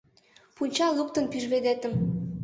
Пунчал луктын пӱжвӱдетым